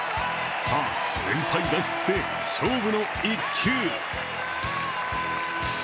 さあ、連敗脱出へ勝負の１球。